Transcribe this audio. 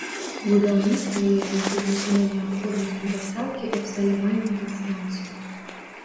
Будаўніцтва яе выклікана неабходнасцю дастаўкі абсталявання на станцыю.